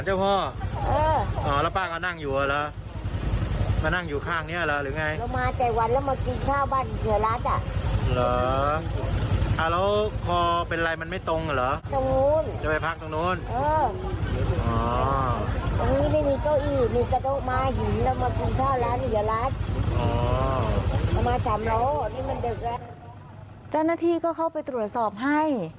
เจ้าหน้าที่ก็เข้าไปตรวจสอบให้